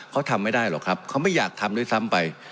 เขาทำไม่ได้หรอกครับเขาไม่อยากทำด้วยซ้ำไป